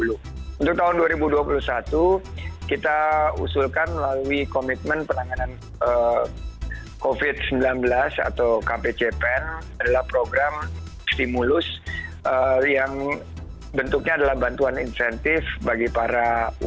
untuk tahun dua ribu dua puluh satu kita usulkan melalui komitmen penanganan covid sembilan belas atau kpcpen adalah program stimulus yang bentuknya adalah bantuan insentif bagi para